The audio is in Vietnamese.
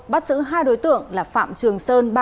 bắt giữ hai đối tượng là phạm trường sơn